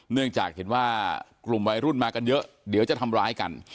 เนื่องจากเห็นว่ากลุ่มวัยรุ่นมากันเยอะเดี๋ยวจะทำร้ายกัน